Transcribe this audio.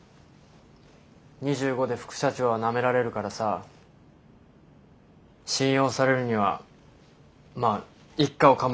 ２５で副社長はなめられるからさ信用されるにはまあ一家を構えるのが一番だって。